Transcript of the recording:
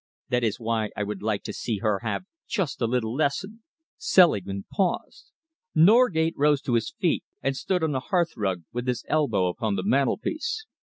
That is why I would like to see her have just a little lesson." Selingman paused. Norgate rose to his feet and stood on the hearthrug, with his elbow upon the mantelpiece.